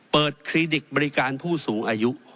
คลินิกบริการผู้สูงอายุ